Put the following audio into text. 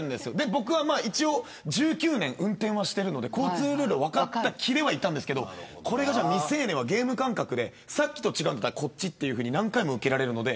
僕は１９年運転してるので交通ルールは分かった気ではいたんですけどこれが未成年はゲーム感覚でさっき違ったから、こっちというふうに何回も受けられるので。